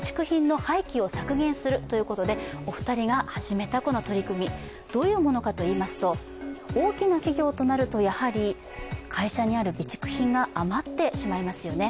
お二人が始めたこの取り組み、どういうものかといいますと大きな企業となると、やはり会社にある備蓄品が余ってしまいますよね。